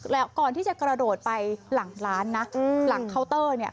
แล้วก่อนที่จะกระโดดไปหลังร้านนะหลังเคาน์เตอร์เนี่ย